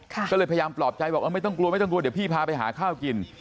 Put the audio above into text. ก็เลยพยายามปลอบใจบอกไม่ต้องกลัวไม่ต้องกลัวเดี๋ยวพี่พาไปหาข้าวกิน